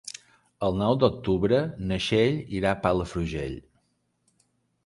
El nou d'octubre na Txell irà a Palafrugell.